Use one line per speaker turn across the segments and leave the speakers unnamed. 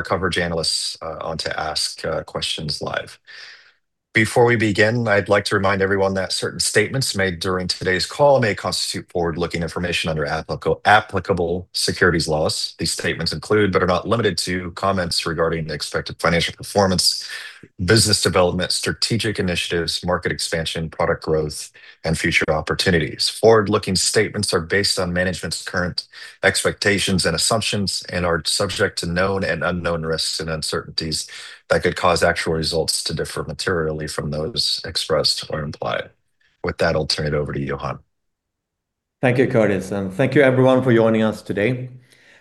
Our coverage analysts on to ask questions live. Before we begin, I'd like to remind everyone that certain statements made during today's call may constitute forward-looking information under applicable securities laws. These statements include, but are not limited to, comments regarding the expected financial performance, business development, strategic initiatives, market expansion, product growth, and future opportunities. Forward-looking statements are based on management's current expectations and assumptions and are subject to known and unknown risks and uncertainties that could cause actual results to differ materially from those expressed or implied. With that, I'll turn it over to Johan.
Thank you, Curtis, and thank you everyone for joining us today.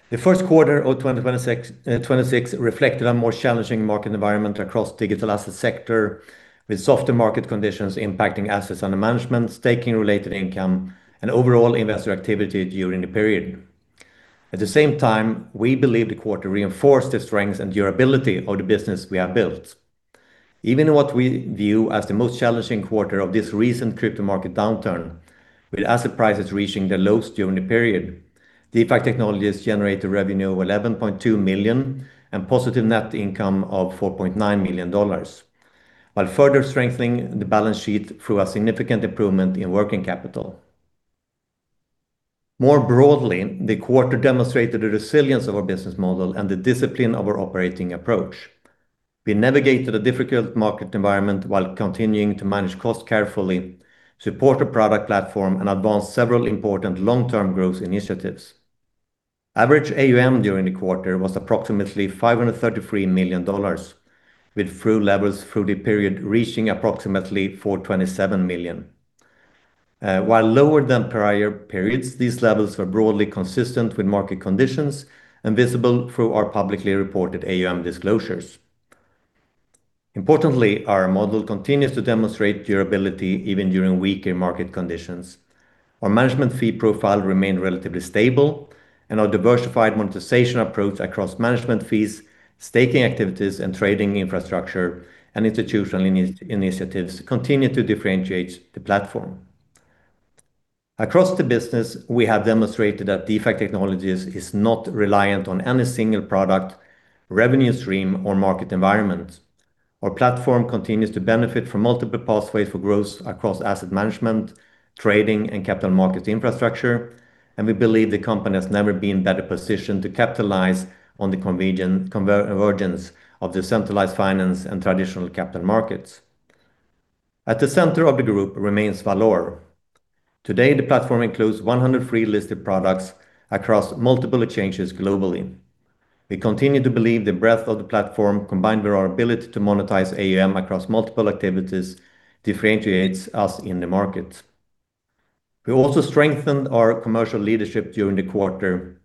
The 1st quarter of 2026 reflected a more challenging market environment across digital asset sector with softer market conditions impacting assets under management, staking related income and overall investor activity during the period. At the same time, we believe the quarter reinforced the strength and durability of the business we have built. Even what we view as the most challenging quarter of this recent crypto market downturn, with asset prices reaching their lowest during the period, DeFi Technologies generated revenue of 11.2 million and positive net income of 4.9 million dollars, while further strengthening the balance sheet through a significant improvement in working capital. More broadly, the quarter demonstrated the resilience of our business model and the discipline of our operating approach. We navigated a difficult market environment while continuing to manage costs carefully, support a product platform and advance several important long-term growth initiatives. Average AUM during the quarter was approximately $533 million, with trough levels through the period reaching approximately $427 million. While lower than prior periods, these levels were broadly consistent with market conditions and visible through our publicly reported AUM disclosures. Importantly, our model continues to demonstrate durability even during weaker market conditions. Our management fee profile remained relatively stable, and our diversified monetization approach across management fees, staking activities and trading infrastructure and institutional initiatives continue to differentiate the platform. Across the business, we have demonstrated that DeFi Technologies is not reliant on any single product, revenue stream or market environment. Our platform continues to benefit from multiple pathways for growth across asset management, trading and capital market infrastructure. We believe the company has never been better positioned to capitalize on the convenient convergence of decentralized finance and traditional capital markets. At the center of the group remains Valour. Today, the platform includes 100 listed products across multiple exchanges globally. We continue to believe the breadth of the platform, combined with our ability to monetize AUM across multiple activities, differentiates us in the market. We also strengthened our commercial leadership during the quarter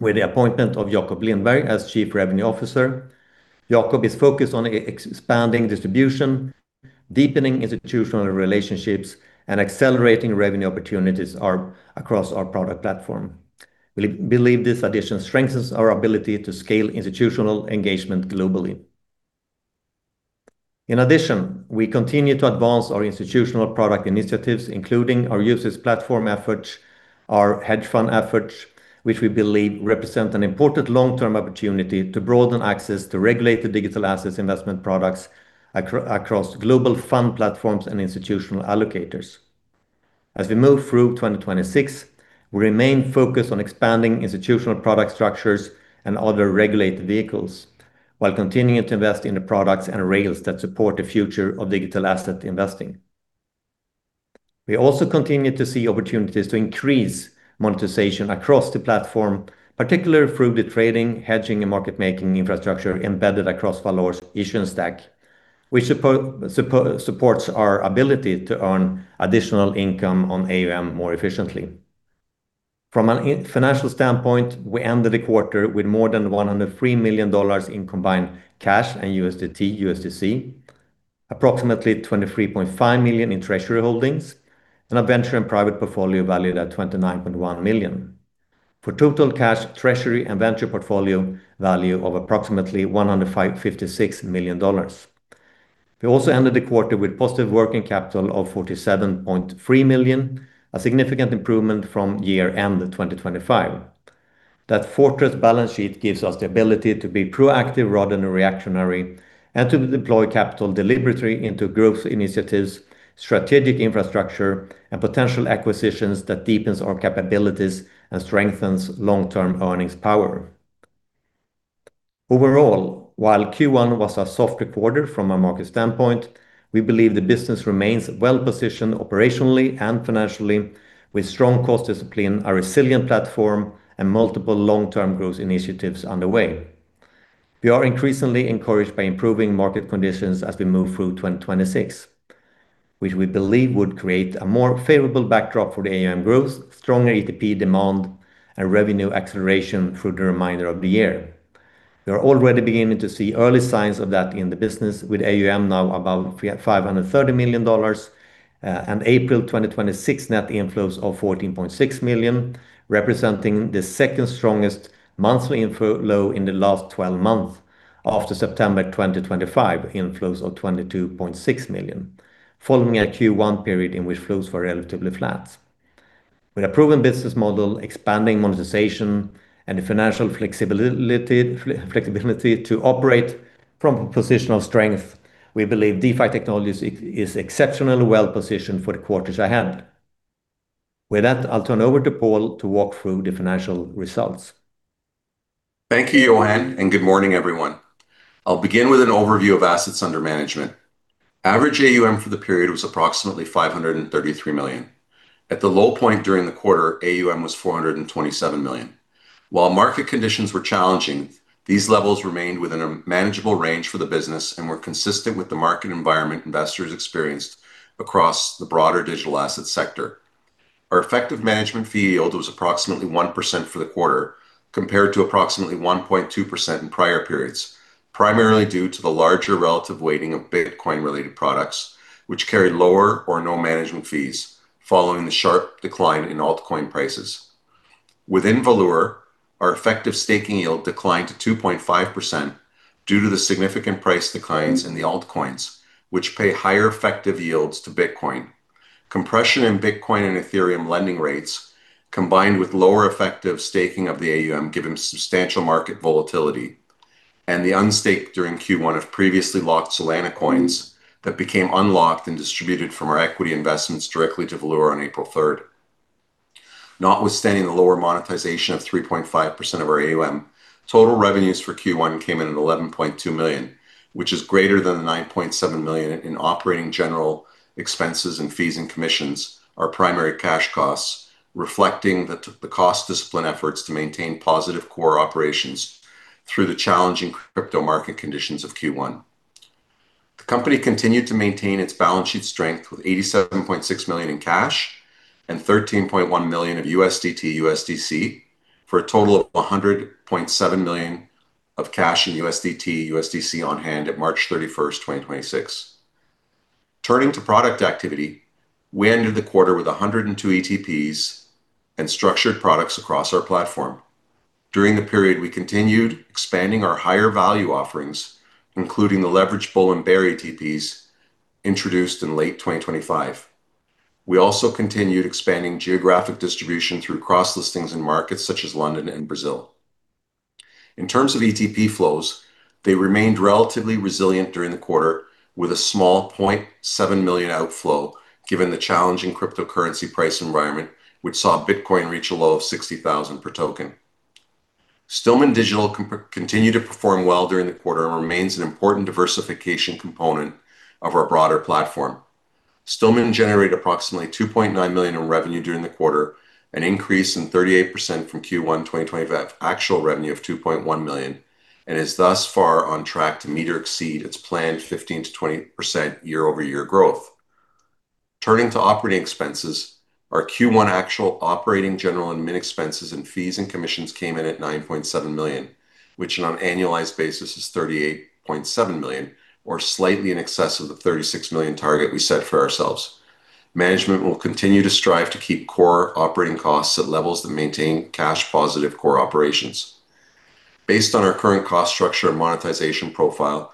with the appointment of Jacob Lindberg as Chief Revenue Officer. Jacob is focused on expanding distribution, deepening institutional relationships and accelerating revenue opportunities across our product platform. We believe this addition strengthens our ability to scale institutional engagement globally. In addition, we continue to advance our institutional product initiatives, including our UCITS platform efforts, our hedge fund efforts, which we believe represent an important long-term opportunity to broaden access to regulated digital assets investment products across global fund platforms and institutional allocators. We move through 2026, we remain focused on expanding institutional product structures and other regulated vehicles while continuing to invest in the products and rails that support the future of digital asset investing. We also continue to see opportunities to increase monetization across the platform, particularly through the trading, hedging and market making infrastructure embedded across Valour's issuance stack, which supports our ability to earn additional income on AUM more efficiently. From a financial standpoint, we ended the quarter with more than $103 million in combined cash and USDT, USDC, approximately $23.5 million in treasury holdings, and a venture in private portfolio valued at $29.1 million. For total cash, treasury, and venture portfolio value of approximately $156 million. We also ended the quarter with positive working capital of $47.3 million, a significant improvement from year-end 2025. That fortress balance sheet gives us the ability to be proactive rather than reactionary, and to deploy capital deliberately into growth initiatives, strategic infrastructure, and potential acquisitions that deepens our capabilities and strengthens long-term earnings power. Overall, while Q1 was a soft quarter from a market standpoint, we believe the business remains well-positioned operationally and financially with strong cost discipline, a resilient platform, and multiple long-term growth initiatives underway. We are increasingly encouraged by improving market conditions as we move through 2026, which we believe would create a more favorable backdrop for the AUM growth, stronger ETP demand and revenue acceleration through the remainder of the year. We are already beginning to see early signs of that in the business with AUM now about 530 million dollars, and April 2026 net inflows of 14.6 million, representing the second strongest monthly inflow in the last 12 months after September 2025 inflows of 22.6 million, following a Q1 period in which flows were relatively flat. With a proven business model, expanding monetization, and the financial flexibility to operate from a position of strength, we believe DeFi Technologies is exceptionally well-positioned for the quarters ahead. With that, I'll turn over to Paul to walk through the financial results.
Thank you, Johan. Good morning, everyone. I'll begin with an overview of assets under management. Average AUM for the period was approximately 533 million. At the low point during the quarter, AUM was 427 million. While market conditions were challenging, these levels remained within a manageable range for the business and were consistent with the market environment investors experienced across the broader digital asset sector. Our effective management fee yield was approximately 1% for the quarter, compared to approximately 1.2% in prior periods, primarily due to the larger relative weighting of Bitcoin-related products, which carry lower or no management fees following the sharp decline in altcoin prices. Within Valour, our effective staking yield declined to 2.5% due to the significant price declines in the altcoins, which pay higher effective yields to Bitcoin. Compression in Bitcoin and Ethereum lending rates, combined with lower effective staking of the AUM, given substantial market volatility, and the unstake during Q1 of previously locked Solana coins that became unlocked and distributed from our equity investments directly to Valour on April 3rd. Notwithstanding the lower monetization of 3.5% of our AUM, total revenues for Q1 came in at 11.2 million, which is greater than the 9.7 million in operating general expenses and fees and commissions, our primary cash costs, reflecting the cost discipline efforts to maintain positive core operations through the challenging crypto market conditions of Q1. The company continued to maintain its balance sheet strength with 87.6 million in cash and $13.1 million of USDT/USDC, for a total of 100.7 million of cash in USDT/USDC on hand at March 31, 2026. Turning to product activity, we ended the quarter with 102 ETPs and structured products across our platform. During the period, we continued expanding our higher value offerings, including the leveraged bull and bear ETPs introduced in late 2025. We also continued expanding geographic distribution through cross-listings in markets such as London and Brazil. In terms of ETP flows, they remained relatively resilient during the quarter, with a small 0.7 million outflow, given the challenging cryptocurrency price environment, which saw Bitcoin reach a low of $60,000 per token. Stillman Digital continued to perform well during the quarter and remains an important diversification component of our broader platform. Stillman generated approximately 2.9 million in revenue during the quarter, an increase in 38% from Q1 2025 actual revenue of 2.1 million, and is thus far on track to meet or exceed its planned 15%-20% year-over-year growth. Turning to operating expenses, our Q1 actual operating general and admin expenses and fees and commissions came in at 9.7 million, which on an annualized basis is 38.7 million or slightly in excess of the 36 million target we set for ourselves. Management will continue to strive to keep core operating costs at levels that maintain cash positive core operations. Based on our current cost structure and monetization profile,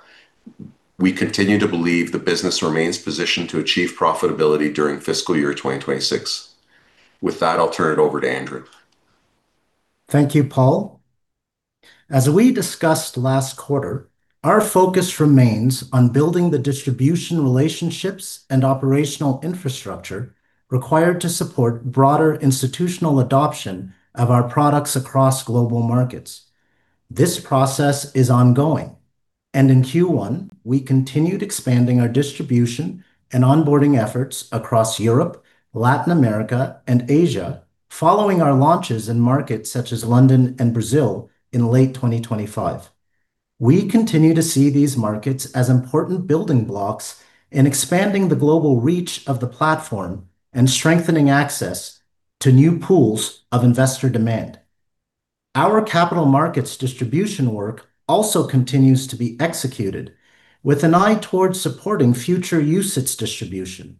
we continue to believe the business remains positioned to achieve profitability during fiscal year 2026. With that, I'll turn it over to Andrew.
Thank you, Paul. As we discussed last quarter, our focus remains on building the distribution relationships and operational infrastructure required to support broader institutional adoption of our products across global markets. This process is ongoing, and in Q1, we continued expanding our distribution and onboarding efforts across Europe, Latin America, and Asia, following our launches in markets such as London and Brazil in late 2025. We continue to see these markets as important building blocks in expanding the global reach of the platform and strengthening access to new pools of investor demand. Our capital markets distribution work also continues to be executed with an eye towards supporting future UCITS distribution.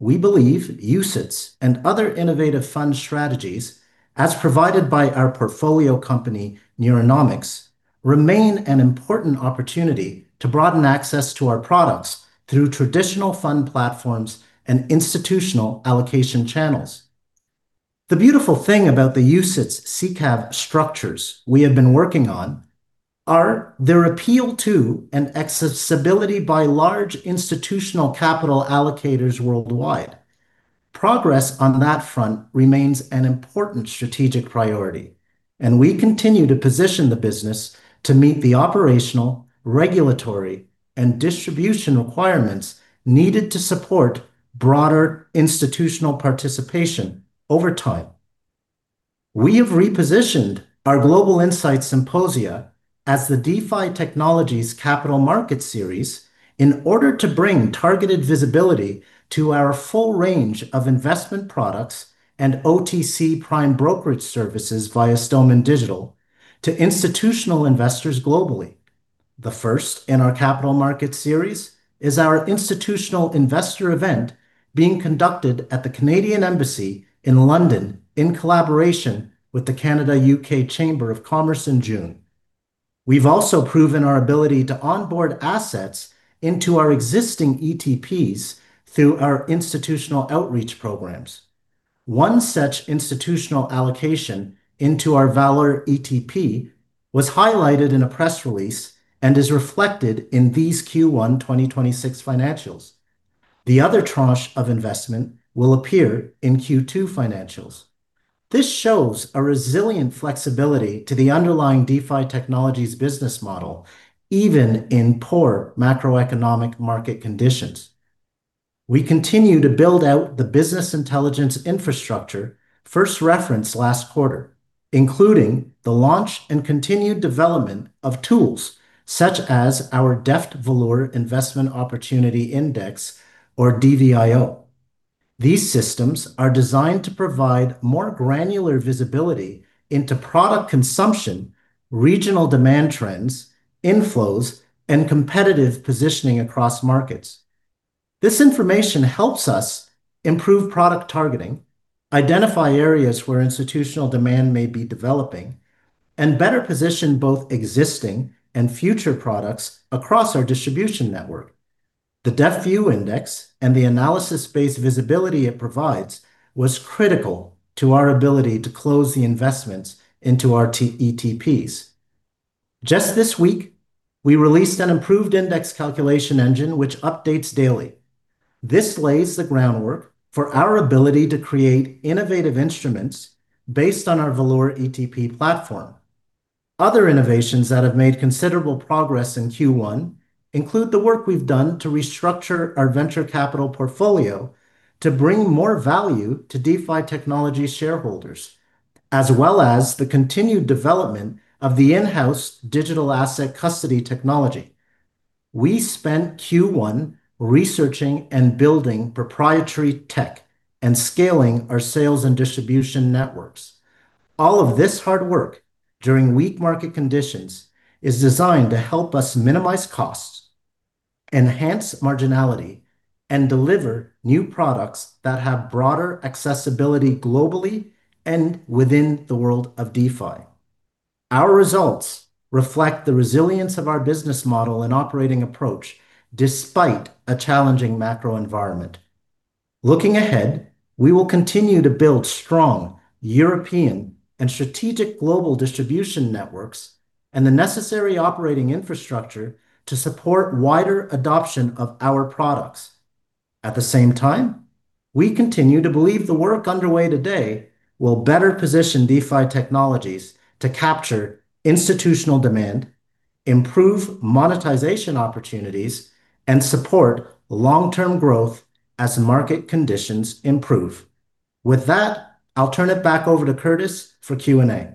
We believe UCITS and other innovative fund strategies, as provided by our portfolio company, Neuronomics, remain an important opportunity to broaden access to our products through traditional fund platforms and institutional allocation channels. The beautiful thing about the UCITS SICAV structures we have been working on are their appeal to and accessibility by large institutional capital allocators worldwide. Progress on that front remains an important strategic priority, and we continue to position the business to meet the operational, regulatory, and distribution requirements needed to support broader institutional participation over time. We have repositioned our Global Insight Symposia as the DeFi Technologies Capital Market Series in order to bring targeted visibility to our full range of investment products and OTC prime brokerage services via Stillman Digital to institutional investors globally. The first in our Capital Market Series is our institutional investor event being conducted at the Canadian Embassy in London in collaboration with the Canada-UK Chamber of Commerce in June. We've also proven our ability to onboard assets into our existing ETPs through our institutional outreach programs. One such institutional allocation into our Valour ETP was highlighted in a press release and is reflected in these Q1 2026 financials. The other tranche of investment will appear in Q2 financials. This shows a resilient flexibility to the underlying DeFi Technologies business model, even in poor macroeconomic market conditions. We continue to build out the business intelligence infrastructure first referenced last quarter, including the launch and continued development of tools such as our DEFT Valour Investment Opportunity Index, or DVIO. These systems are designed to provide more granular visibility into product consumption, regional demand trends, inflows, and competitive positioning across markets. This information helps us improve product targeting, identify areas where institutional demand may be developing, and better position both existing and future products across our distribution network. The DVIO Index and the analysis-based visibility it provides was critical to our ability to close the investments into our ETPs. Just this week, we released an improved index calculation engine which updates daily. This lays the groundwork for our ability to create innovative instruments based on our Valour ETP platform. Other innovations that have made considerable progress in Q1 include the work we've done to restructure our venture capital portfolio to bring more value to DeFi Technologies shareholders, as well as the continued development of the in-house digital asset custody technology. We spent Q1 researching and building proprietary tech and scaling our sales and distribution networks. All of this hard work during weak market conditions is designed to help us minimize costs, enhance marginality, and deliver new products that have broader accessibility globally and within the world of DeFi. Our results reflect the resilience of our business model and operating approach despite a challenging macro environment. Looking ahead, we will continue to build strong European and strategic global distribution networks and the necessary operating infrastructure to support wider adoption of our products. At the same time, we continue to believe the work underway today will better position DeFi Technologies to capture institutional demand, improve monetization opportunities, and support long-term growth as market conditions improve. With that, I'll turn it back over to Curtis for Q&A.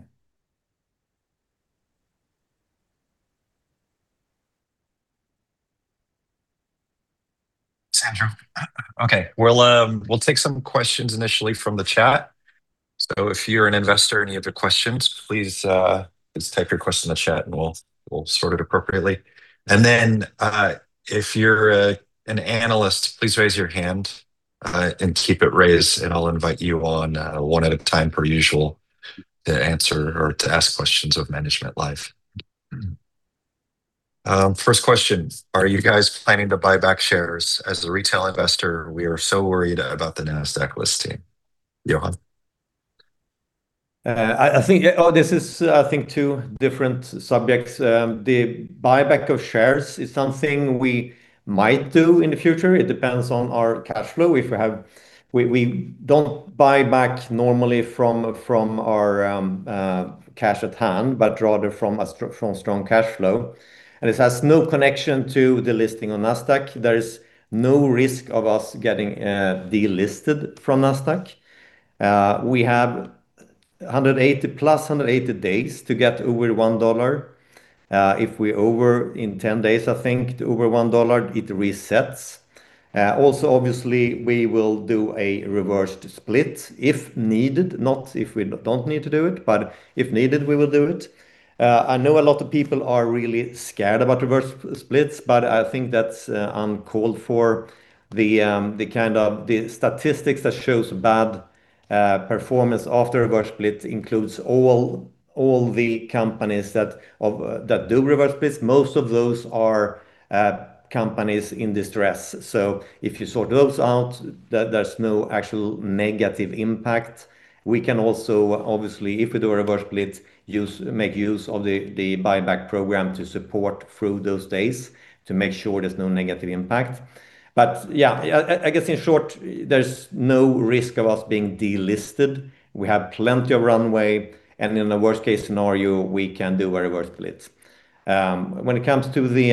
Sounds good. Okay. We'll take some questions initially from the chat. If you're an investor, any of the questions, please type your question in the chat, and we'll sort it appropriately. If you're an analyst, please raise your hand and keep it raised, and I'll invite you on one at a time per usual to answer or to ask questions of management live. First question, are you guys planning to buy back shares? As a retail investor, we are so worried about the Nasdaq listing. Johan.
I think this is two different subjects. The buyback of shares is something we might do in the future. It depends on our cash flow. We don't buy back normally from our cash at hand, but rather from strong cash flow. It has no connection to the listing on Nasdaq. There is no risk of us getting delisted from Nasdaq. We have 180 plus 180 days to get over $1. If we're over in 10 days, I think, to over $1, it resets. Obviously, we will do a reverse split if needed, not if we don't need to do it, but if needed, we will do it. I know a lot of people are really scared about reverse splits, but I think that's uncalled for. The statistics that shows bad performance after a reverse split includes all the companies that do reverse splits. Most of those are companies in distress. If you sort those out, there's no actual negative impact. We can also, obviously, if we do a reverse split, make use of the buyback program to support through those days to make sure there's no negative impact. Yeah, I guess in short, there's no risk of us being delisted. We have plenty of runway, and in the worst case scenario, we can do a reverse split. When it comes to the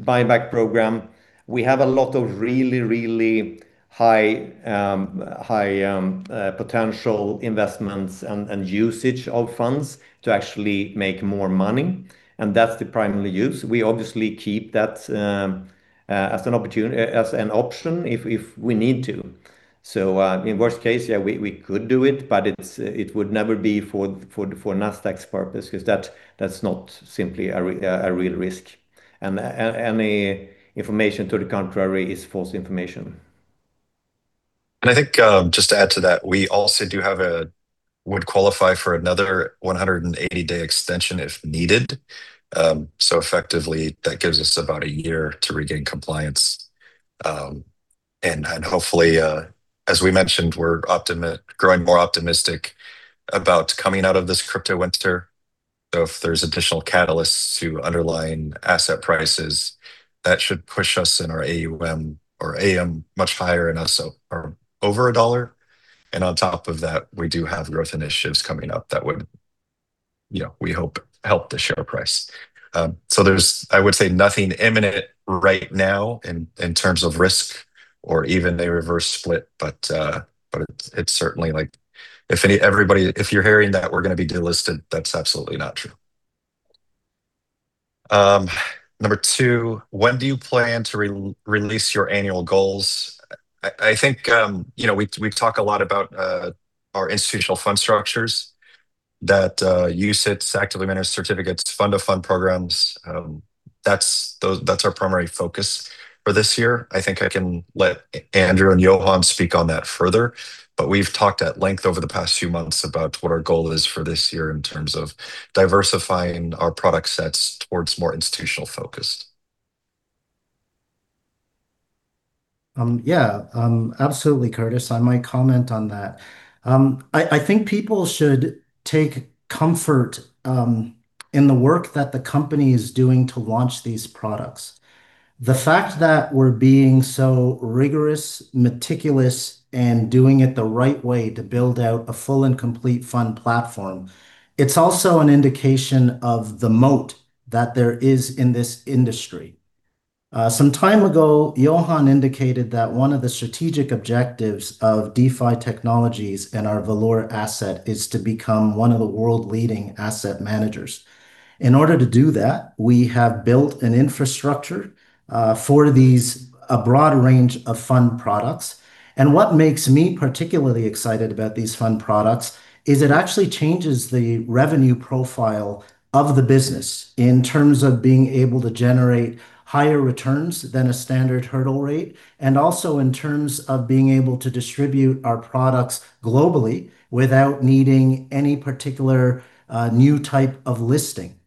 buyback program, we have a lot of really, really high potential investments and usage of funds to actually make more money, and that's the primary use. We obviously keep that as an opportunity, as an option if we need to. In worst case, yeah, we could do it, but it would never be for Nasdaq's purpose because that's not simply a real risk. Any information to the contrary is false information.
I think, just to add to that, we also do have would qualify for another 180-day extension if needed. Effectively that gives us about 1 year to regain compliance. Hopefully, as we mentioned, we're growing more optimistic about coming out of this crypto winter. If there's additional catalysts to underlying asset prices, that should push us in our AUM or AM much higher and also, over CAD 1. On top of that, we do have growth initiatives coming up that would, you know, we hope help the share price. There's, I would say, nothing imminent right now in terms of risk or even a reverse split. It's certainly like if you're hearing that we're gonna be delisted, that's absolutely not true. Number 2: When do you plan to re-release your annual goals? I think, you know, we've talked a lot about our institutional fund structures that UCITS actively managed certificates, fund-to-fund programs. That's our primary focus for this year. I think I can let Andrew and Johan speak on that further, but we've talked at length over the past few months about what our goal is for this year in terms of diversifying our product sets towards more institutional focus.
Yeah, absolutely, Curtis. I might comment on that. I think people should take comfort in the work that the company is doing to launch these products. The fact that we're being so rigorous, meticulous, and doing it the right way to build out a full and complete fund platform, it's also an indication of the moat that there is in this industry. Some time ago, Johan indicated that one of the strategic objectives of DeFi Technologies and our Valour asset is to become one of the world-leading asset managers. In order to do that, we have built an infrastructure for these, a broad range of fund products. What makes me particularly excited about these fund products is it actually changes the revenue profile of the business in terms of being able to generate higher returns than a standard hurdle rate, also in terms of being able to distribute our products globally without needing any particular new type of listing.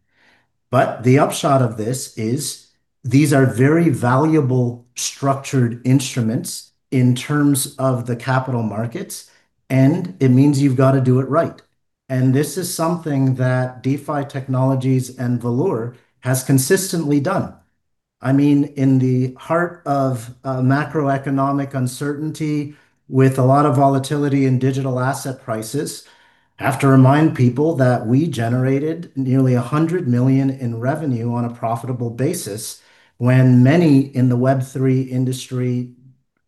The upshot of this is these are very valuable structured instruments in terms of the capital markets, and it means you've got to do it right. This is something that DeFi Technologies and Valour has consistently done. I mean, in the heart of macroeconomic uncertainty with a lot of volatility in digital asset prices, I have to remind people that we generated nearly 100 million in revenue on a profitable basis, when many in the Web3 industry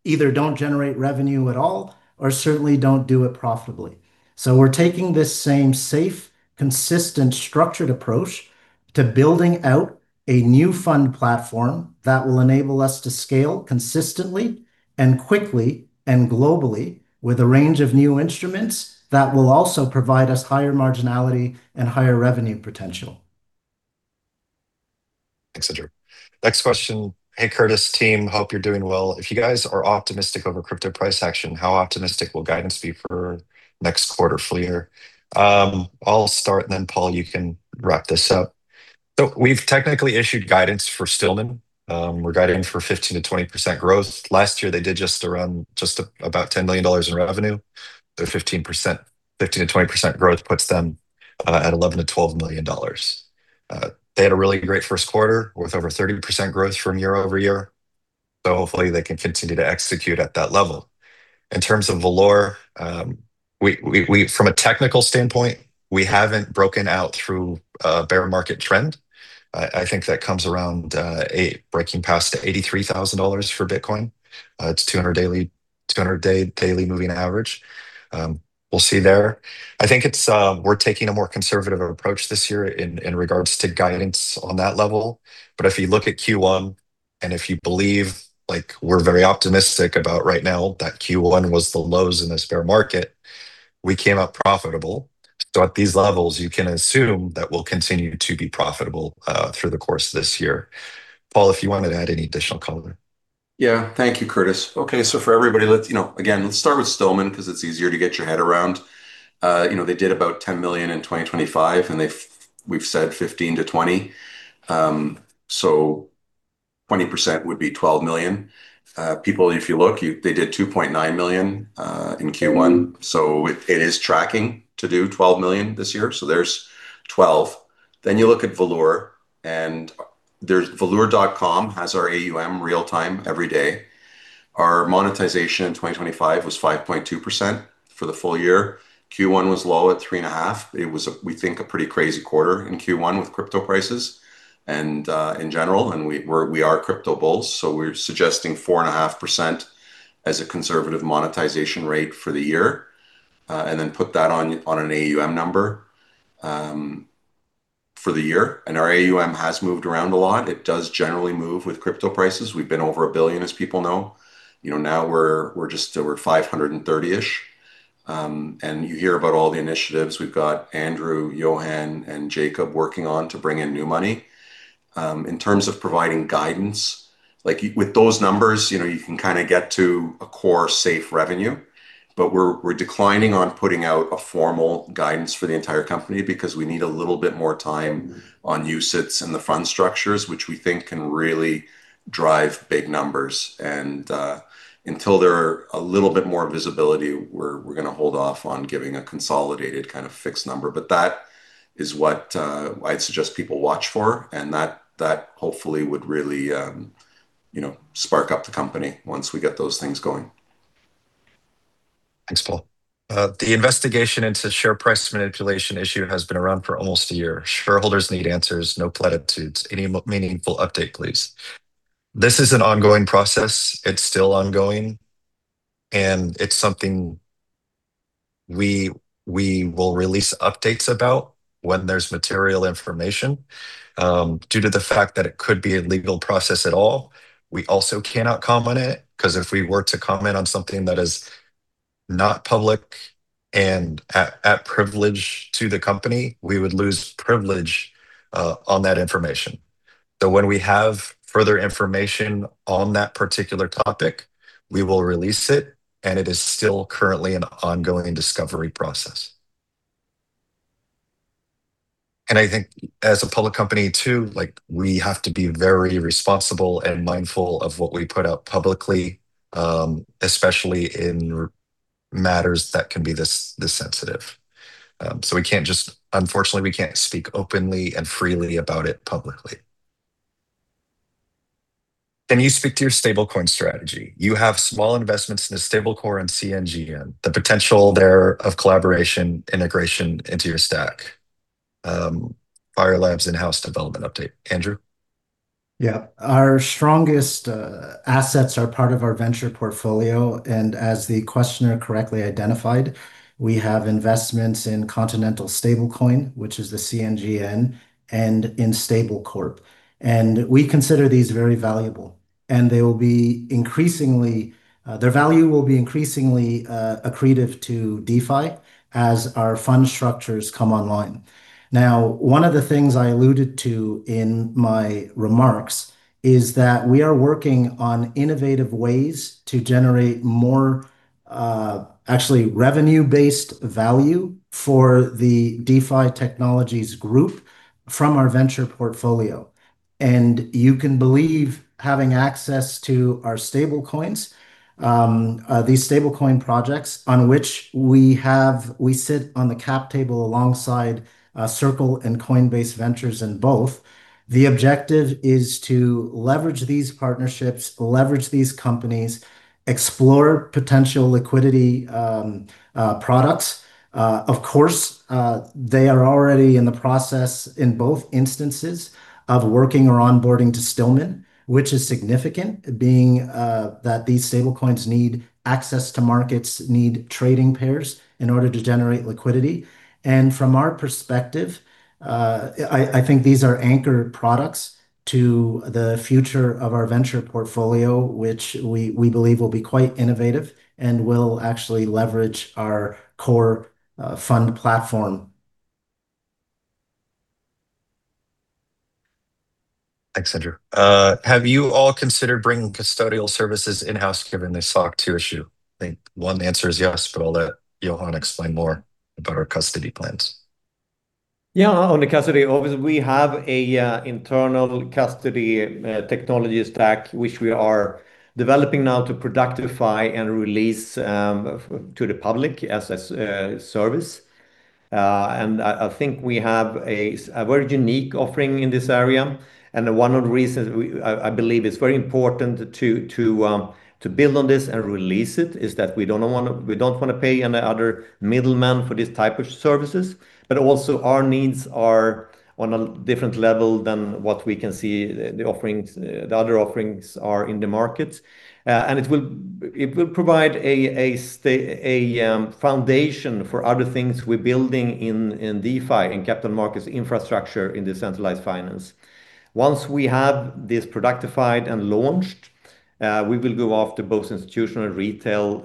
either don't generate revenue at all or certainly don't do it profitably. We're taking this same safe, consistent, structured approach to building out a new fund platform that will enable us to scale consistently and quickly and globally with a range of new instruments that will also provide us higher marginality and higher revenue potential.
Thanks, Andrew. Next question. "Hey, Curtis team, hope you're doing well. If you guys are optimistic over crypto price action, how optimistic will guidance be for next quarter, full year?" I'll start and then Paul, you can wrap this up. We've technically issued guidance for Stillman. We're guiding for 15%-20% growth. Last year, they did just around 10 million dollars in revenue. The 15%-20% growth puts them at 11 million-12 million dollars. They had a really great first quarter with over 30% growth from year-over-year, so hopefully they can continue to execute at that level. In terms of Valour, from a technical standpoint, we haven't broken out through a bear market trend. I think that comes around breaking past $83,000 for Bitcoin. It's 200-day daily moving average. We'll see there. I think it's We're taking a more conservative approach this year in regards to guidance on that level. If you look at Q1, and if you believe, like we're very optimistic about right now, that Q1 was the lows in this bear market, we came out profitable. At these levels, you can assume that we'll continue to be profitable through the course of this year. Paul, if you wanted to add any additional color.
Thank you, Curtis. Okay, for everybody, let's, you know, again, let's start with Stillman because it's easier to get your head around. You know, they did about 10 million in 2025. We've said 15 million-20 million. 20% would be 12 million. People, if you look, they did 2.9 million in Q1, it is tracking to do 12 million this year. There's 12 million. You look at Valour. valour.com has our AUM real time every day. Our monetization in 2025 was 5.2% for the full year. Q1 was low at three and a half %. It was, we think, a pretty crazy quarter in Q1 with crypto prices in general, and we are crypto bulls, so we're suggesting 4.5% as a conservative monetization rate for the year, and then put that on an AUM number for the year. Our AUM has moved around a lot. It does generally move with crypto prices. We've been over 1 billion, as people know. You know, now we're just over 530-ish. You hear about all the initiatives we've got Andrew, Johan and Jacob working on to bring in new money. In terms of providing guidance, like with those numbers, you know, you can kinda get to a core safe revenue. We're declining on putting out a formal guidance for the entire company because we need a little bit more time on UCITS and the fund structures, which we think can really drive big numbers. Until there are a little bit more visibility, we're gonna hold off on giving a consolidated kind of fixed number. That is what I'd suggest people watch for and that hopefully would really, you know, spark up the company once we get those things going.
Thanks, Paul. The investigation into share price manipulation issue has been around for almost a year. Shareholders need answers, no platitudes. Any meaningful update, please. This is an ongoing process. It's still ongoing, and it's something we will release updates about when there's material information. Due to the fact that it could be a legal process at all, we also cannot comment on it, 'cause if we were to comment on something that is not public and at privilege to the company, we would lose privilege on that information. When we have further information on that particular topic, we will release it, and it is still currently an ongoing discovery process. I think as a public company too, we have to be very responsible and mindful of what we put out publicly, especially in matters that can be this sensitive. Unfortunately, we can't speak openly and freely about it publicly. Can you speak to your stablecoin strategy? You have small investments in the Stablecorp and CCNN. The potential there of collaboration, integration into your stack. Fire Labs in-house development update. Andrew.
Yeah. Our strongest assets are part of our venture portfolio, and as the questioner correctly identified, we have investments in Continental Stablecoin, which is the CNGN, and in Stablecorp. We consider these very valuable, and they will be increasingly, their value will be increasingly accretive to DeFi as our fund structures come online. Now, one of the things I alluded to in my remarks is that we are working on innovative ways to generate more, actually revenue-based value for the DeFi Technologies group from our venture portfolio. You can believe having access to our stablecoins, these stablecoin projects on which we sit on the cap table alongside Circle and Coinbase Ventures in both. The objective is to leverage these partnerships, leverage these companies, explore potential liquidity, products. Of course, they are already in the process in both instances of working or onboarding to Stillman, which is significant, being that these stablecoins need access to markets, need trading pairs in order to generate liquidity. From our perspective, I think these are anchor products to the future of our venture portfolio, which we believe will be quite innovative and will actually leverage our core fund platform.
Thanks, Andrew. Have you all considered bringing custodial services in-house given the SOC 2 issue? I think 1 answer is yes, but I'll let Johan explain more about our custody plans.
Yeah. On the custody, obviously we have an internal custody technology stack, which we are developing now to productify and release to the public as a service. I think we have a very unique offering in this area. One of the reasons I believe it's very important to build on this and release it, is that we don't wanna pay any other middleman for this type of services. Also our needs are on a different level than what we can see the other offerings are in the markets. It will provide a foundation for other things we're building in DeFi, in capital markets infrastructure in decentralized finance. Once we have this productified and launched, we will go after both institutional retail,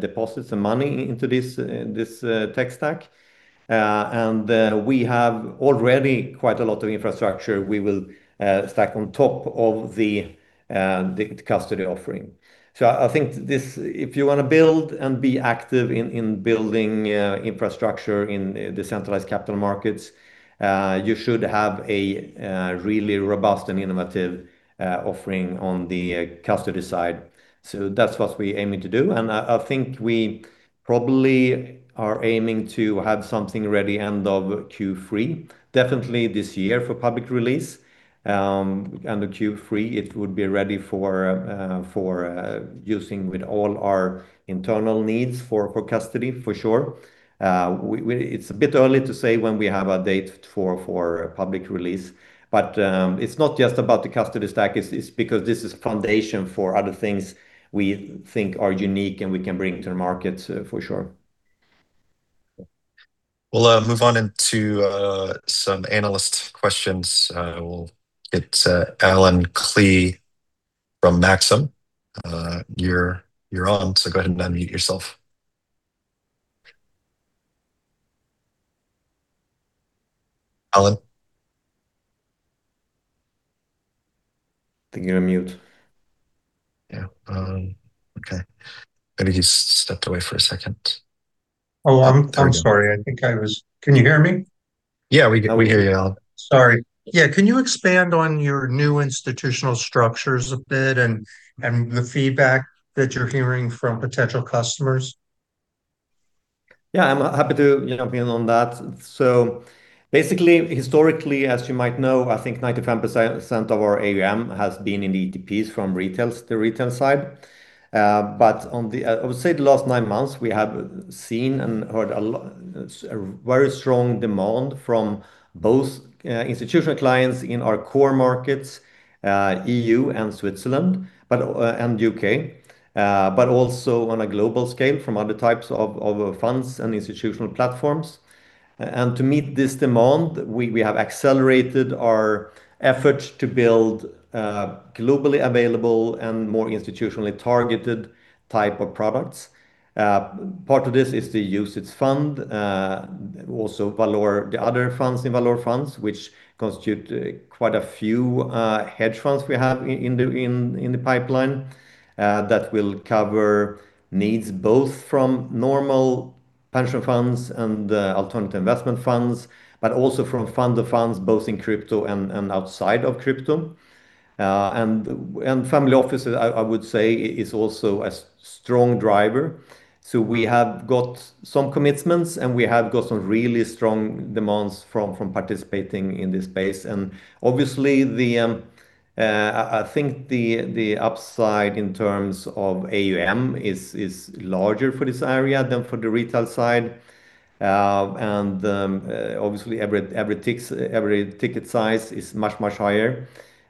deposits and money into this, tech stack. We have already quite a lot of infrastructure we will stack on top of the custody offering. I think if you wanna build and be active in building infrastructure in decentralized capital markets, you should have a really robust and innovative offering on the custody side. That's what we're aiming to do, and I think we probably are aiming to have something ready end of Q3, definitely this year for public release. End of Q3, it would be ready for using with all our internal needs for custody, for sure. It's a bit early to say when we have a date for public release, but it's not just about the custody stack. It's because this is foundation for other things we think are unique and we can bring to the market for sure.
We'll move on into some analyst questions. We'll get Allen Klee from Maxim. You're on, so go ahead and unmute yourself. Allen?
I think you're on mute.
Okay. Maybe he's stepped away for a second.
Oh, I'm sorry. Can you hear me?
Yeah, we do. We hear you, Allen.
Sorry. Yeah. Can you expand on your new institutional structures a bit and the feedback that you're hearing from potential customers?
Yeah, I'm happy to, you know, be in on that. Basically, historically, as you might know, I think 95% of our AUM has been in ETPs from retail, the retail side. On the, I would say the last 9 months, we have seen and heard a lot, a very strong demand from both institutional clients in our core markets, EU and Switzerland, and UK. Also on a global scale from other types of funds and institutional platforms. To meet this demand, we have accelerated our efforts to build globally available and more institutionally targeted type of products. Part of this is the UCITS fund, also Valour, the other funds in Valour funds, which constitute quite a few hedge funds we have in the pipeline that will cover needs both from normal pension funds and alternative investment funds, but also from fund to funds, both in crypto and outside of crypto. Family offices, I would say is also a strong driver. We have got some commitments, and we have got some really strong demands from participating in this space. Obviously, I think the upside in terms of AUM is larger for this area than for the retail side. Obviously every ticket size is much higher.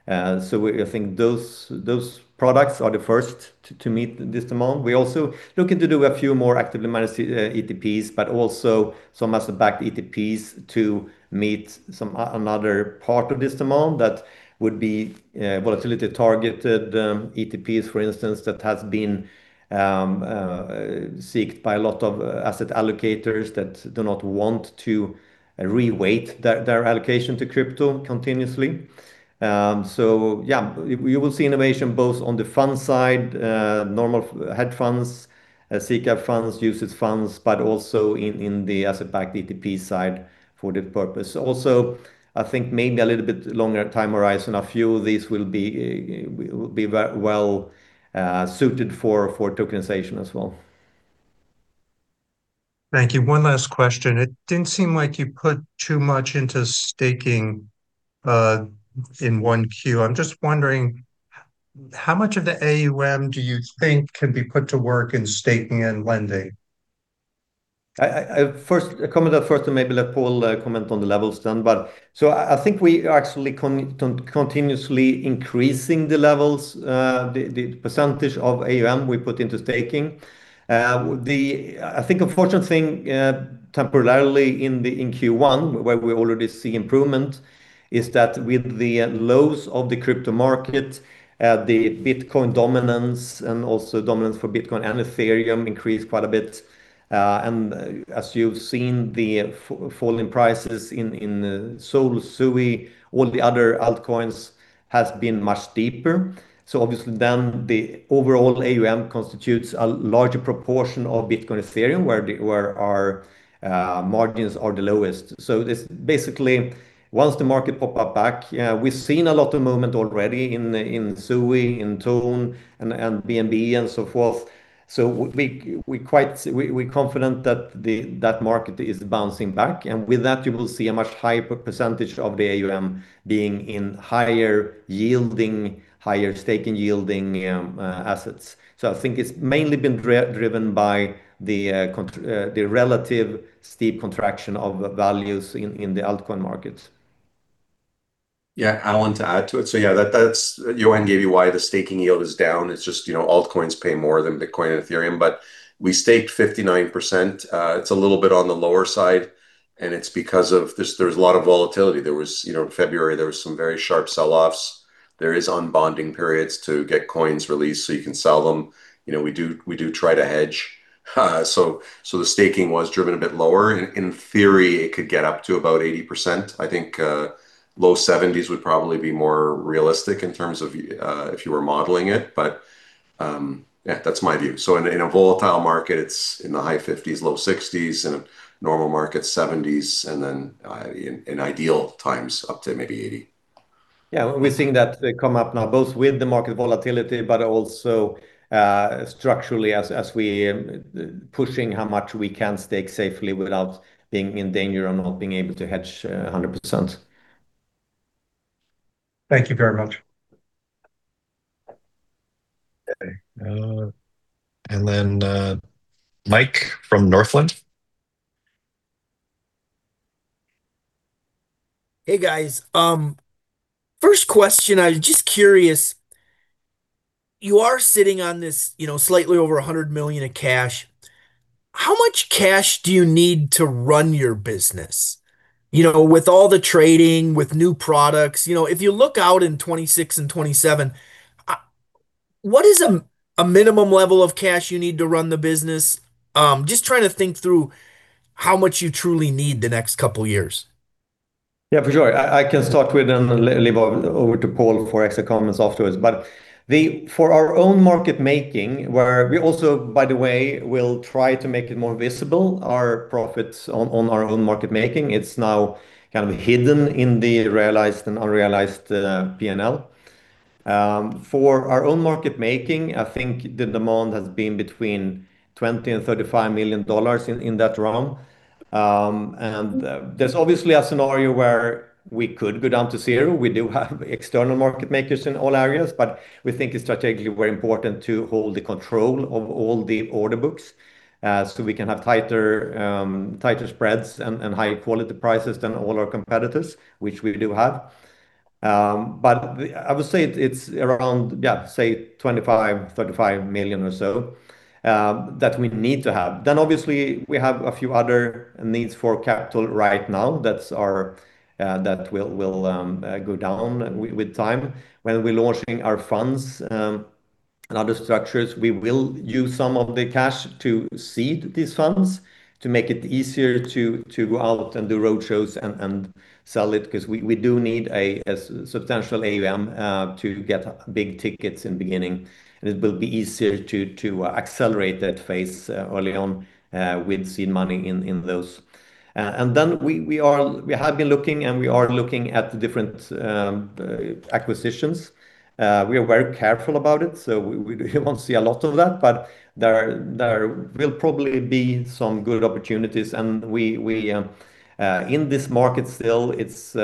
I think those products are the first to meet this demand. We're also looking to do a few more actively managed ETPs, but also some asset-backed ETPs to meet some another part of this demand that would be volatility targeted ETPs, for instance, that has been seeked by a lot of asset allocators that do not want to re-weight their allocation to crypto continuously. Yeah, you will see innovation both on the fund side, normal hedge funds, SICAV funds, UCITS funds, but also in the asset-backed ETP side for that purpose. Also, I think maybe a little bit longer time horizon, a few of these will be very well suited for tokenization as well.
Thank you. One last question. It didn't seem like you put too much into staking, in Q1. I'm just wondering, how much of the AUM do you think can be put to work in staking and lending?
I First, a comment at first, maybe let Paul comment on the levels then. I think we are actually continuously increasing the levels, the percentage of AUM we put into staking. I think a fortunate thing, temporarily in Q1, where we already see improvement, is that with the lows of the crypto market, the Bitcoin dominance and also dominance for Bitcoin and Ethereum increased quite a bit. As you've seen, the falling prices in SOL, Sui, all the other altcoins has been much deeper. Obviously, the overall AUM constitutes a larger proportion of Bitcoin, Ethereum, where the, where our margins are the lowest. This basically, once the market pop up back, we've seen a lot of movement already in Sui, in TON and BNB and so forth. We confident that the market is bouncing back. With that, you will see a much higher percentage of the AUM being in higher yielding, higher staking yielding assets. I think it's mainly been driven by the relative steep contraction of values in the altcoin markets.
Yeah. I want to add to it. Yeah, that's Johan gave you why the staking yield is down. It's just, you know, altcoins pay more than Bitcoin and Ethereum, but we staked 59%. It's a little bit on the lower side, and it's because of this, there was a lot of volatility. There was, you know, February, there was some very sharp sell-offs. There is unbonding periods to get coins released, so you can sell them. You know, we do try to hedge. The staking was driven a bit lower. In theory, it could get up to about 80%. I think low 70s would probably be more realistic in terms of if you were modeling it. But yeah, that's my view. In a, in a volatile market, it's in the high 50s, low 60s. In a normal market, 70s, and then, in ideal times, up to maybe 80.
Yeah. We're seeing that come up now, both with the market volatility, but also structurally as we pushing how much we can stake safely without being in danger of not being able to hedge 100%.
Thank you very much.
Okay. Mike from Northland.
Hey guys, first question, I'm just curious, you are sitting on this, you know, slightly over 100 million in cash. How much cash do you need to run your business? You know, with all the trading, with new products, you know, if you look out in 2026 and 2027, what is a minimum level of cash you need to run the business? Just trying to think through how much you truly need the next couple years.
Yeah, for sure. I can start with and leave over to Paul for extra comments afterwards. For our own market making, where we also, by the way, will try to make it more visible, our profits on our own market making, it's now kind of hidden in the realized and unrealized P&L. For our own market making, I think the demand has been between $20 million and $35 million in that realm. There's obviously a scenario where we could go down to zero. We do have external market makers in all areas, but we think it's strategically very important to hold the control of all the order books, so we can have tighter spreads and higher quality prices than all our competitors, which we do have. The I would say it's around, yeah, say 25 million-35 million or so, that we need to have. Obviously we have a few other needs for capital right now that will go down with time. When we're launching our funds, and other structures, we will use some of the cash to seed these funds to make it easier to go out and do roadshows and sell it, 'cause we do need a substantial AUM to get big tickets in the beginning, and it will be easier to accelerate that phase early on with seed money in those. We have been looking and we are looking at the different acquisitions. We are very careful about it. We won't see a lot of that, but there will probably be some good opportunities and we in this market still, it's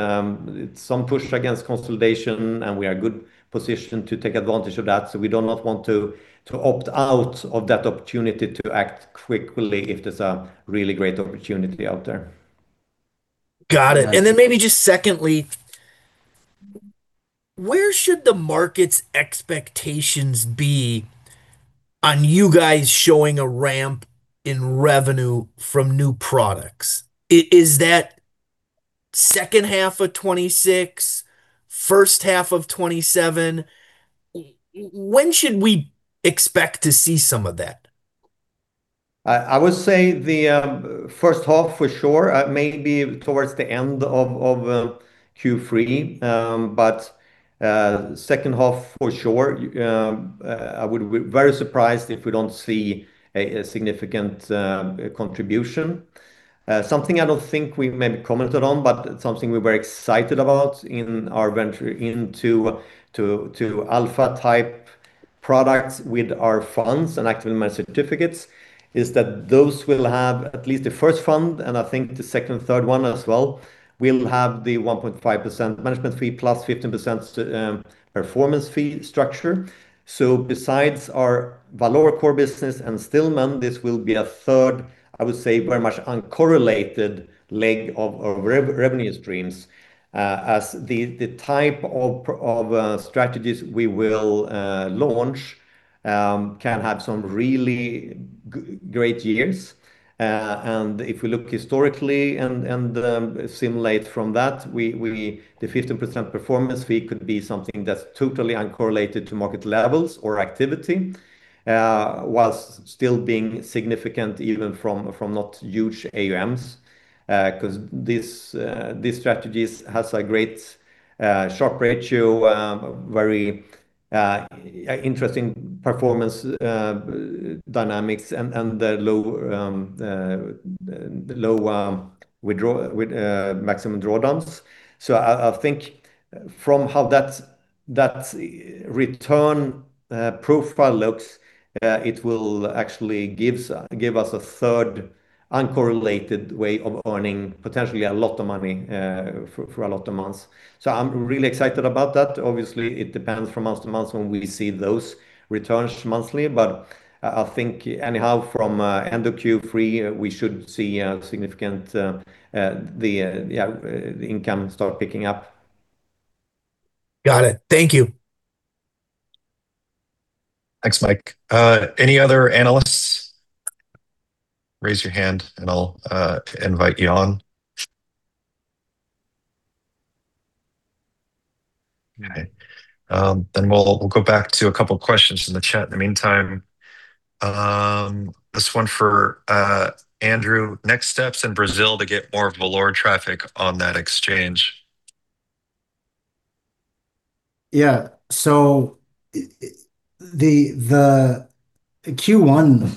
some push against consolidation, and we are good positioned to take advantage of that. We do not want to opt out of that opportunity to act quickly if there's a really great opportunity out there.
Got it.
Nice.
Maybe just secondly, where should the market's expectations be on you guys showing a ramp in revenue from new products? Is that second half of 2026, first half of 2027? When should we expect to see some of that?
I would say the first half for sure, maybe towards the end of Q3. Second half for sure. I would be very surprised if we don't see a significant contribution. Something I don't think we maybe commented on, but something we're very excited about in our venture into alpha-type products with our funds and active managed certificates, is that those will have, at least the first fund, and I think the second and third one as well, will have the 1.5% management fee plus 15% performance fee structure. Besides our Valour core business and Stillman, this will be a third, I would say, very much uncorrelated leg of revenue streams. As the type of strategies we will launch can have some really great years. If we look historically and simulate from that, we The 15% performance fee could be something that's totally uncorrelated to market levels or activity, whilst still being significant even from not huge AUMs. Because this these strategies has a great Sharpe ratio, very interesting performance dynamics and low maximum drawdowns. I think from how that return profile looks, it will actually give us a third uncorrelated way of earning potentially a lot of money for a lot of months. I'm really excited about that. Obviously, it depends from month to month when we see those returns monthly. I think anyhow from end of Q3, we should see a significant the income start picking up.
Got it. Thank you.
Thanks, Mike. Any other analysts? Raise your hand and I'll invite you on. Okay. We'll go back to a couple questions in the chat in the meantime. This one for Andrew. Next steps in Brazil to get more Valour traffic on that exchange.
The Q1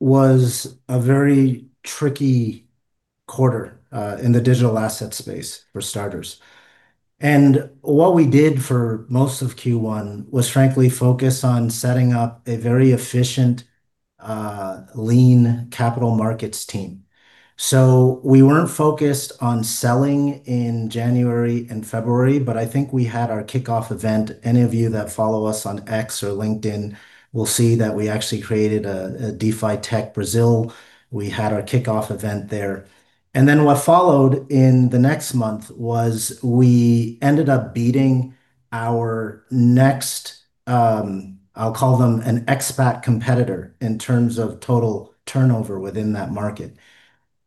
was a very tricky quarter in the digital asset space, for starters. What we did for most of Q1 was frankly focus on setting up a very efficient, lean capital markets team. We weren't focused on selling in January and February, but I think we had our kickoff event. Any of you that follow us on X or LinkedIn will see that we actually created a DeFi Tech Brazil. We had our kickoff event there. What followed in the next month was we ended up beating our next, I'll call them an expat competitor in terms of total turnover within that market.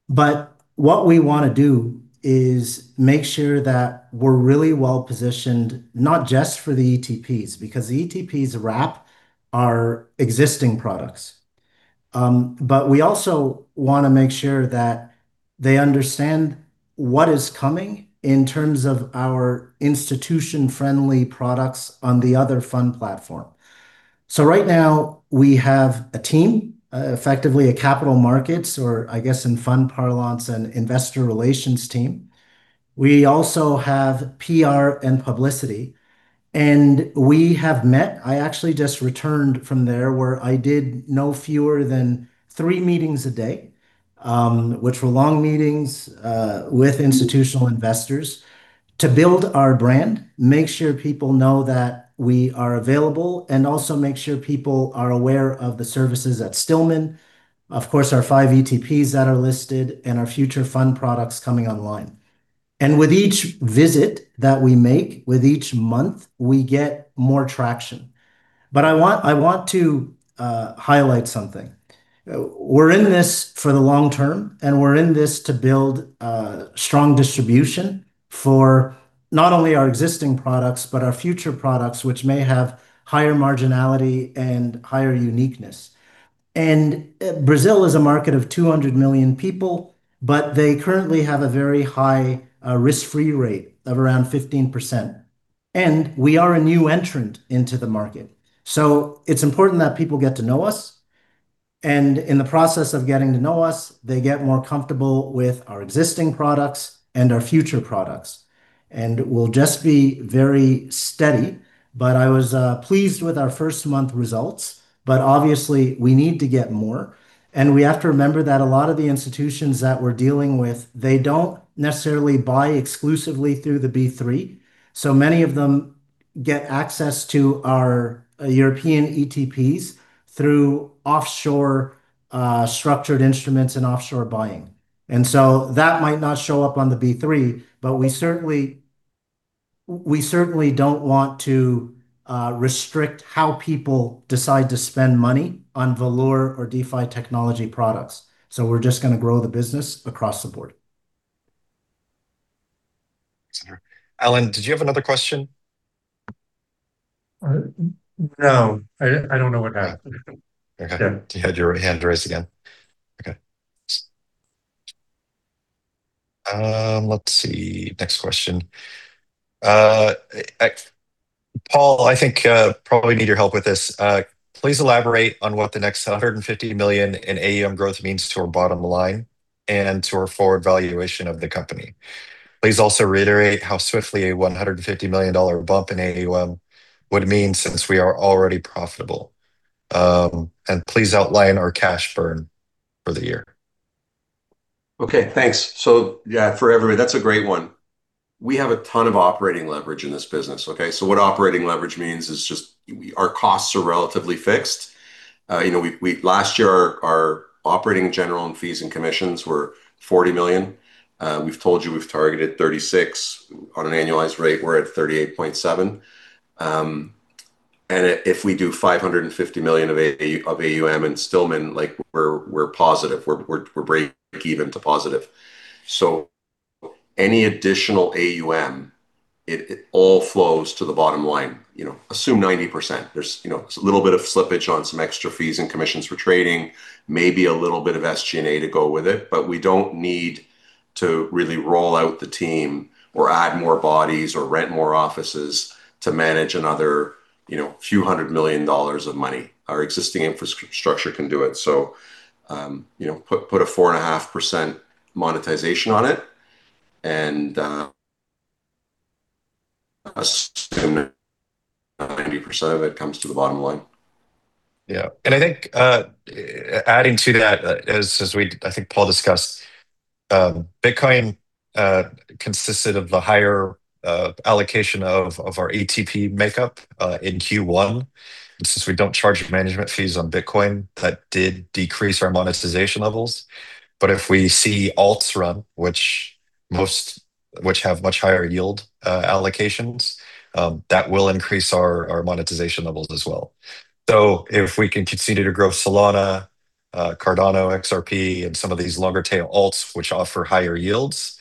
What we wanna do is make sure that we're really well-positioned, not just for the ETPs, because the ETPs wrap our existing products. We also wanna make sure that they understand what is coming in terms of our institution-friendly products on the other fund platform. Right now we have a team, effectively a capital markets, or I guess in fund parlance, an investor relations team. We also have PR and publicity, and we have met. I actually just returned from there, where I did no fewer than three meetings a day, which were long meetings with institutional investors to build our brand, make sure people know that we are available, and also make sure people are aware of the services at Stillman, of course our five ETPs that are listed, and our future fund products coming online. With each visit that we make, with each month, we get more traction. I want to highlight something. We're in this for the long term, and we're in this to build strong distribution for not only our existing products but our future products, which may have higher marginality and higher uniqueness. Brazil is a market of 200 million people, but they currently have a very high risk-free rate of around 15%, and we are a new entrant into the market. It's important that people get to know us, and in the process of getting to know us, they get more comfortable with our existing products and our future products. We'll just be very steady. I was pleased with our 1st month results, but obviously we need to get more. We have to remember that a lot of the institutions that we're dealing with, they don't necessarily buy exclusively through the B3. Many of them get access to our European ETPs through offshore structured instruments and offshore buying. That might not show up on the B3, but we certainly don't want to restrict how people decide to spend money on Valour or DeFi Technologies products. We're just gonna grow the business across the board.
Allen Klee, did you have another question?
No. I don't know what happened.
You had your hand raised again. Let's see. Next question. Paul, I think I probably need your help with this. Please elaborate on what the next 150 million in AUM growth means to our bottom line and to our forward valuation of the company. Please also reiterate how swiftly a $150 million bump in AUM would mean since we are already profitable. Please outline our cash burn for the year.
Okay, thanks. Yeah, for everybody, that's a great one. We have a ton of operating leverage in this business, okay? What operating leverage means is just our costs are relatively fixed. You know, last year our operating general and fees and commissions were 40 million. We've told you we've targeted 36. On an annualized rate, we're at 38.7. If we do 550 million of AUM in Stillman, like we're positive. We're breaking even to positive. Any additional AUM, it all flows to the bottom line. You know, assume 90%. There's, you know, a little bit of slippage on some extra fees and commissions for trading, maybe a little bit of SG&A to go with it. We don't need to really roll out the team or add more bodies or rent more offices to manage another, you know, few hundred million CAD of money. Our existing infrastructure can do it. You know, put a 4.5% monetization on it and assume that 90% of it comes to the bottom line.
Yeah. I think, adding to that, as we, I think Paul discussed, Bitcoin consisted of the higher allocation of our ETP makeup in Q1. Since we don't charge management fees on Bitcoin, that did decrease our monetization levels. If we see alts run, which have much higher yield allocations, that will increase our monetization levels as well. If we can continue to grow Solana, Cardano, XRP, and some of these longer tail alts which offer higher yields,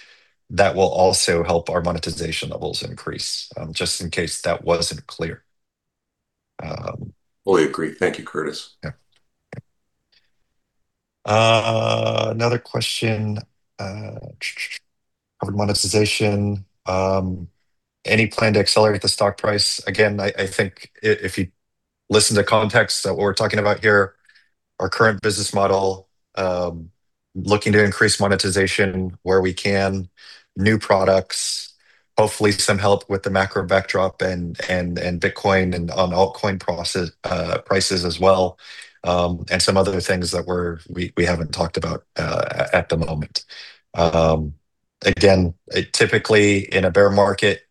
that will also help our monetization levels increase. Just in case that wasn't clear.
Fully agree. Thank you, Curtis.
Yeah. Another question, covered monetization. Any plan to accelerate the stock price? Again, I think if you listen to context that what we're talking about here, our current business model, looking to increase monetization where we can. New products, hopefully some help with the macro backdrop and Bitcoin and on altcoin prices as well, and some other things that we haven't talked about at the moment. Again, typically in a bear market,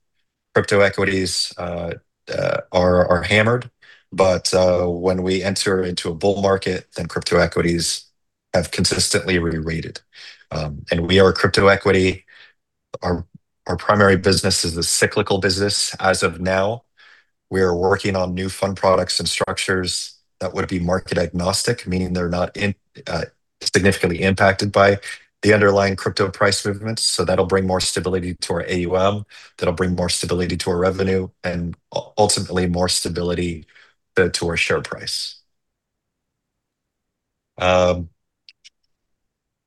crypto equities are hammered. When we enter into a bull market, then crypto equities have consistently re-rated. And we are a crypto equity. Our primary business is a cyclical business as of now. We are working on new fund products and structures that would be market agnostic, meaning they're not significantly impacted by the underlying crypto price movements. That'll bring more stability to our AUM, that'll bring more stability to our revenue and ultimately more stability to our share price.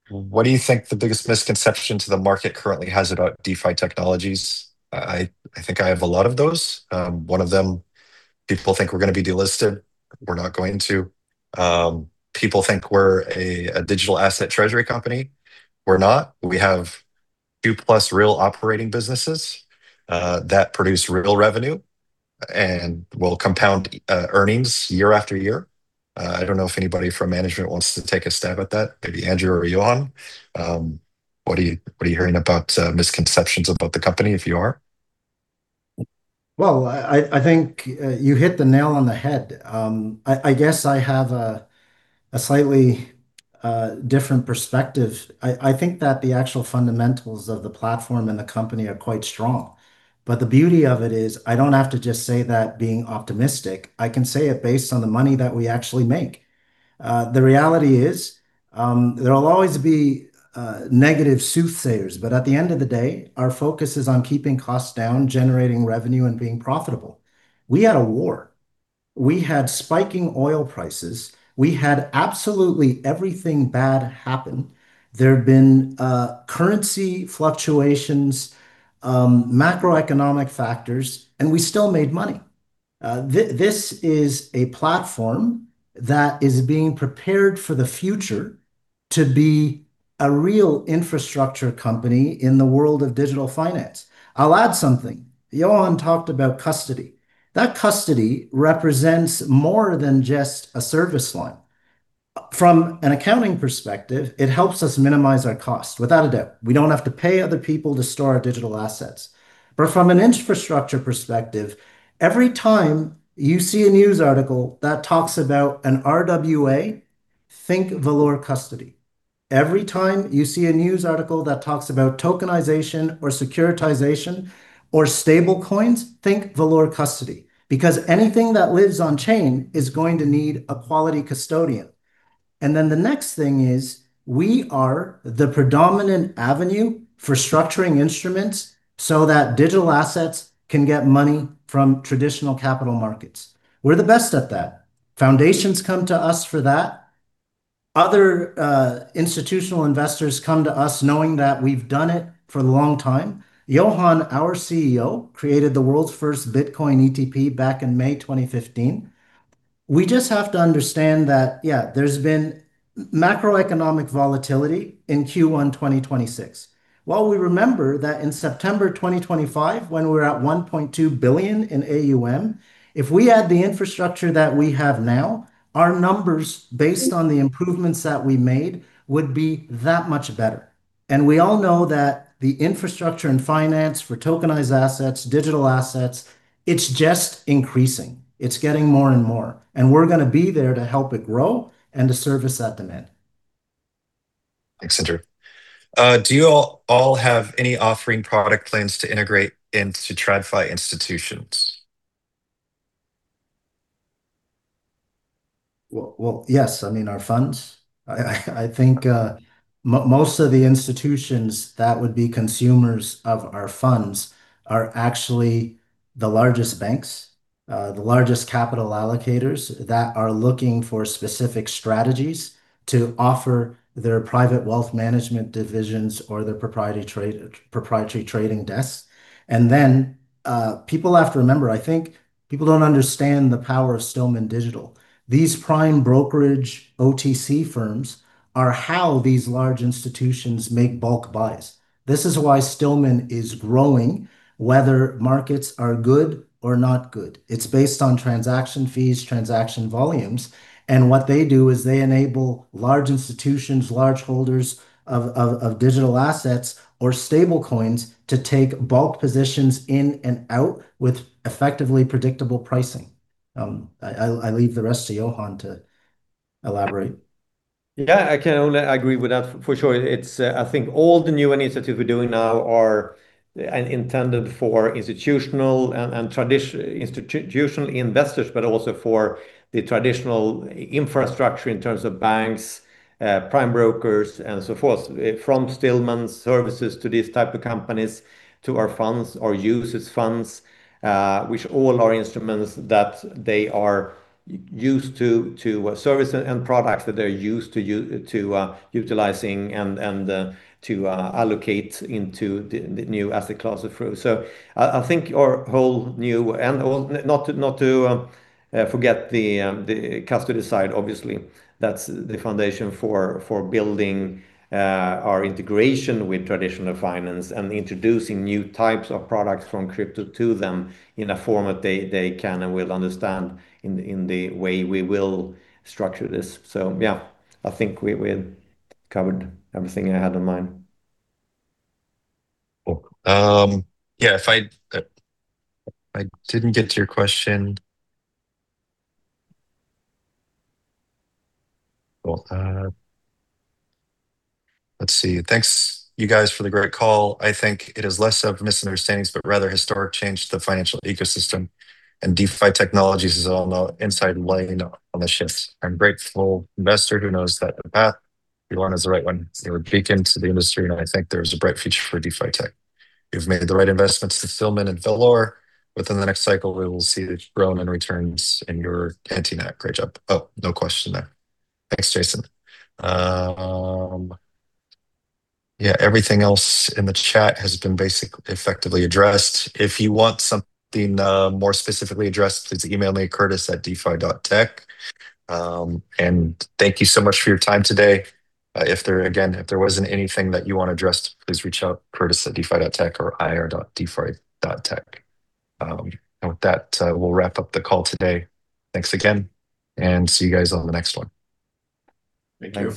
What do you think the biggest misconception the market currently has about DeFi Technologies? I think I have a lot of those. One of them, people think we're gonna be delisted. We're not going to. People think we're a digital asset treasury company. We're not. We have 2+ real operating businesses that produce real revenue and will compound earnings year after year. I don't know if anybody from management wants to take a stab at that, maybe Andrew or Johan. What are you hearing about misconceptions about the company, if you are?
Well, I think you hit the nail on the head. I guess I have a slightly different perspective. I think that the actual fundamentals of the platform and the company are quite strong. The beauty of it is I don't have to just say that being optimistic. I can say it based on the money that we actually make. The reality is, there'll always be negative soothsayers, but at the end of the day, our focus is on keeping costs down, generating revenue, and being profitable. We had a war. We had spiking oil prices. We had absolutely everything bad happen. There have been currency fluctuations, macroeconomic factors, and we still made money. This is a platform that is being prepared for the future to be a real infrastructure company in the world of digital finance. I'll add something. Johan talked about custody. That custody represents more than just a service line. From an accounting perspective, it helps us minimize our cost without a doubt. We don't have to pay other people to store our digital assets. From an infrastructure perspective, every time you see a news article that talks about an RWA, think Valour Custody. Every time you see a news article that talks about tokenization or securitization or stablecoins, think Valour Custody because anything that lives on chain is going to need a quality custodian. The next thing is we are the predominant avenue for structuring instruments so that digital assets can get money from traditional capital markets. We're the best at that. Foundations come to us for that. Other institutional investors come to us knowing that we've done it for a long time. Johan, our CEO, created the world's first Bitcoin ETP back in May 2015. We just have to understand that, yeah, there's been macroeconomic volatility in Q1 2026. While we remember that in September 2025, when we were at 1.2 billion in AUM, if we had the infrastructure that we have now, our numbers based on the improvements that we made would be that much better. We all know that the infrastructure and finance for tokenized assets, digital assets, it's just increasing. It's getting more and more, and we're gonna be there to help it grow and to service that demand.
Thanks, Andrew. Do you all have any offering product plans to integrate into TradFi institutions?
Well, yes. I mean, our funds. I think most of the institutions that would be consumers of our funds are actually the largest banks, the largest capital allocators that are looking for specific strategies to offer their private wealth management divisions or their proprietary trading desks. People have to remember, I think people don't understand the power of Stillman Digital. These prime brokerage OTC firms are how these large institutions make bulk buys. This is why Stillman is growing, whether markets are good or not good. It's based on transaction fees, transaction volumes, and what they do is they enable large institutions, large holders of digital assets or stablecoins to take bulk positions in and out with effectively predictable pricing. I leave the rest to Johan to elaborate.
Yeah, I can only agree with that for sure. It's, I think all the new initiatives we're doing now are intended for institutional and institutional investors, but also for the traditional infrastructure in terms of banks, prime brokers, and so forth, from Stillman's services to these type of companies to our funds or users funds, which all are instruments that they are used to service and products that they are used to utilizing and to allocate into the new asset class of trough. I think our whole new and all, not to forget the custody side, obviously, that's the foundation for building our integration with traditional finance and introducing new types of products from crypto to them in a form that they can and will understand in the way we will structure this. Yeah, I think we covered everything I had in mind.
Cool. If I didn't get to your question. Thanks you guys for the great call. I think it is less of misunderstandings, but rather historic change to the financial ecosystem and DeFi Technologies is all now inside and laying on the shifts. I'm grateful investor who knows that the path you're on is the right one. You're a beacon to the industry. I think there's a bright future for DeFi Tech. You've made the right investments to Stillman and Valour. Within the next cycle, we will see the growth in returns in your anti- knack. Great job. No question there. Thanks, Jason. Everything else in the chat has been effectively addressed. If you want something more specifically addressed, please email me at curtis@defi.tech. Thank you so much for your time today. If there, again, if there wasn't anything that you want addressed, please reach out curtis@defi.tech or ir.defi.tech. With that, we'll wrap up the call today. Thanks again, and see you guys on the next one.
Thank you.